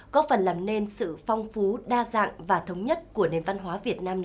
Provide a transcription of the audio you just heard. có phần làm nên sự phong phú đa dạng và thống nhất của nền văn hóa việt nam